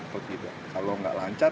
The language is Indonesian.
kalau tidak lancar